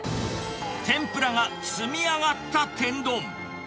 天ぷらが積み上がった天丼。